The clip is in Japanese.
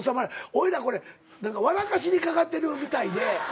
おいらこれ笑かしにかかってるみたいで。